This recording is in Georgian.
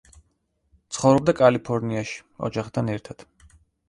ცხოვრობდა კალიფორნიაში, ოჯახთან ერთად.